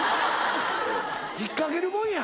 引っかけるもんや！